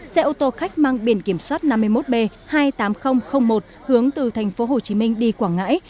xe ô tô khách mang biển kiểm soát năm mươi một b hai mươi tám nghìn một hướng từ tp hcm đi quảng ngãi